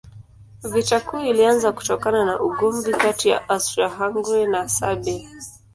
Vita Kuu ilianza kutokana na ugomvi kati ya Austria-Hungaria na Serbia.